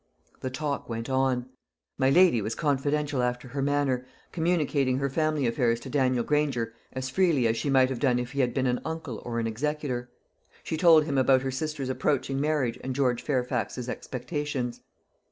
The talk went on. My lady was confidential after her manner communicating her family affairs to Daniel Granger as freely as she might have done if he had been an uncle or an executor. She told him about her sister's approaching marriage and George Fairfax's expectations.